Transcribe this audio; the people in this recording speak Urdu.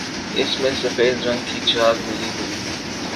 اس میں سفید رنگ کی جھاگ ملی ہوئی ہے